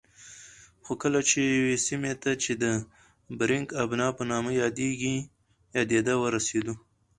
خو کله چې یوې سیمې ته چې د باریکآب په نامه یادېده ورسېدو